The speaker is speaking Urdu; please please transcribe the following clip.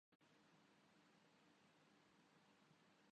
سنجیدہ سوال ہے۔